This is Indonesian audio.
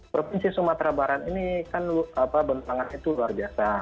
provinsi sumatera barat ini kan bentangan itu luar biasa